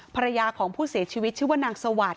ภรรยาของผู้เสียชีวิตชื่อว่านางสวัสดิ